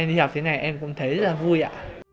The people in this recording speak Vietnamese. em đi học thế này em cũng thấy rất là vui ạ